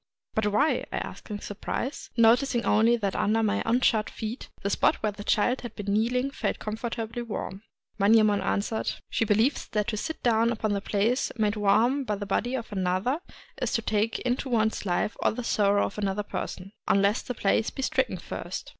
"But why?" I asked in surprise, — no ticing only that under my unshod feet, the spot where the child had been kneeling felt comfortably warm. Manyemon answered :— "She believes that to sit down upon the place made warm by the body of another is to take into one's own life all the sorrow of that other person, — unless the place be stricken first."